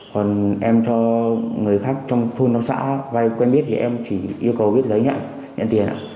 còn em cho người khác trong thôn đồng xã vay quen biết thì em chỉ yêu cầu viết giấy nhận tiền ạ